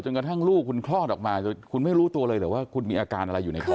กระทั่งลูกคุณคลอดออกมาคุณไม่รู้ตัวเลยเหรอว่าคุณมีอาการอะไรอยู่ในคัน